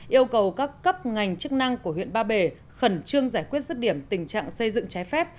yêu cầu các cấp ngành chức năng của huyện ba bể khẩn trương giải quyết rứt điểm tình trạng xây dựng trái phép